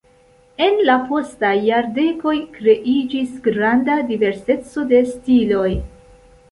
En la postaj jardekoj kreiĝis granda diverseco de stiloj.